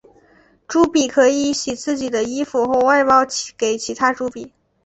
朱比可以洗自己的衣服或外包给其他朱比。